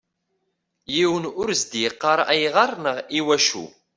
Yiwen ur as-d-yeqqar ayɣer neɣ iwacu.